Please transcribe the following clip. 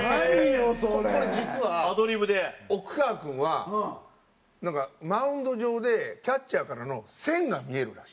これ実は奥川君はなんかマウンド上でキャッチャーからの線が見えるらしいです。